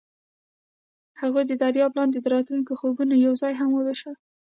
هغوی د دریاب لاندې د راتلونکي خوبونه یوځای هم وویشل.